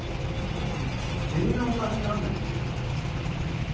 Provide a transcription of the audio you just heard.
みんな同じなんですよ。